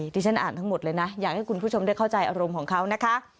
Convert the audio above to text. ที่ฉันอ่านทั้งหมดเลยนะอยากให้คุณผู้ชมได้เข้าใจอารมณ์ของเขานะคะ